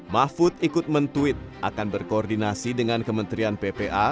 mahfud ikut mentuit akan berkoordinasi dengan kementerian ppa